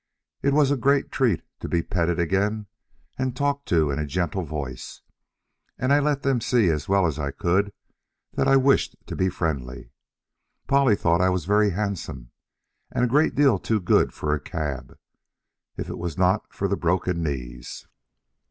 It was a great treat to be petted again and talked to in a gentle voice, and I let them see as well as I could that I wished to be friendly. Polly thought I was very handsome, and a great deal too good for a cab, if it was not for the broken knees.